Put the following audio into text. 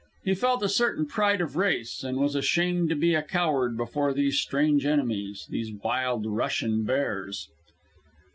He felt a certain pride of race, and was ashamed to be a coward before these strange enemies, these wild Russian bears.